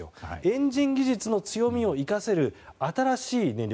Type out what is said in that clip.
エンジン技術の強みを生かせる新しい燃料。